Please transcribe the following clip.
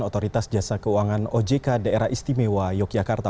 otoritas jasa keuangan ojk daerah istimewa yogyakarta